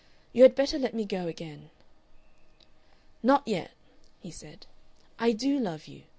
You had better let me go again." "Not yet," he said. "I do love you.